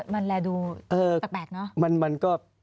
มันแหละดูแปลกเนอะ